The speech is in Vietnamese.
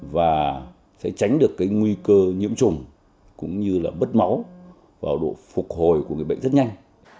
và sẽ tránh được cái nguy cơ nhiễm trùng cũng như là bất mỏ vào độ phục hồi của cái bệnh rất nhanh